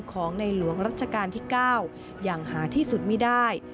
ของในหลวงรัชกาลที่๙อย่างหาที่สุดไม่ได้